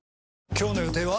今日の予定は？